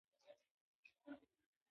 ښارونه د افغانانو ژوند اغېزمن کوي.